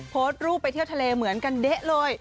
โพสต์รูปไปเที่ยวทะเลเหมือนกันเด๊ะเลย